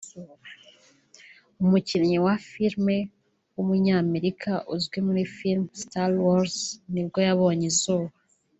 umukinnyi wa film w’umunyamerika uzwi muri film Star Wars nibwo yabonye izuba